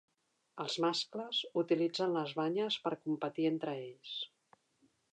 Els mascles utilitzen les banyes per competir entre ells.